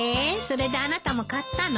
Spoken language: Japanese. それであなたも買ったの？